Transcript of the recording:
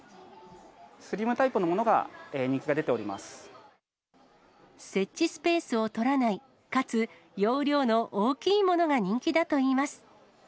スリムタイプのものが人気が設置スペースを取らない、かつ容量の大きいものが人気だといいます。